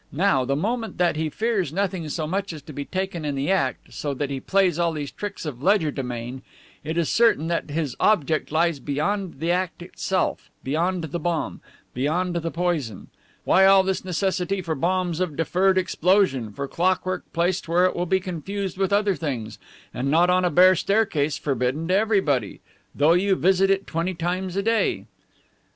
Now, the moment that he fears nothing so much as to be taken in the act, so that he plays all these tricks of legerdemain, it is certain that his object lies beyond the act itself, beyond the bomb, beyond the poison. Why all this necessity for bombs of deferred explosion, for clockwork placed where it will be confused with other things, and not on a bare staircase forbidden to everybody, though you visit it twenty times a day?"